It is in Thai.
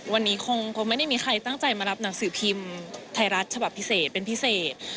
วันนี้คงไม่ได้มีใครตั้งใจมารับหนังสือพิมพ์ไทยรัฐฉบับพิเศษเป็นพิเศษ